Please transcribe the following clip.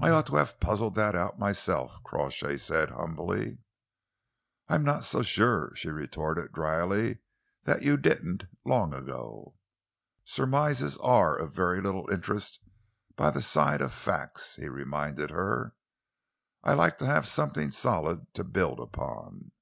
"I ought to have puzzled that out myself," Crawshay said humbly. "I am not so sure," she retorted drily, "that you didn't, long ago." "Surmises are of very little interest by the side of facts," he reminded her. "I like to have something solid to build upon."